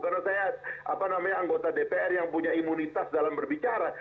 karena saya anggota dpr yang punya imunitas dalam berbicara